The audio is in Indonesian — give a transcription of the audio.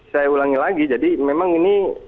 saya ulangi lagi jadi memang ini